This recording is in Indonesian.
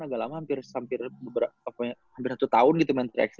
agak lama hampir seratus tahun main tiga ax tiga terus